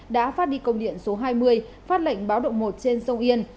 đã phát đi công điện số hai mươi phát lệnh báo động một trên sông yên